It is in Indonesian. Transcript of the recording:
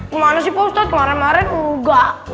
kemana sih pak ustadz kemaren maren enggak